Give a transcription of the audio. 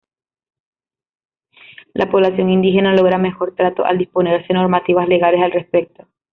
La población indígena logra mejor trato al disponerse normativas legales al respecto.